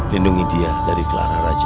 lindungi dia dari clara raja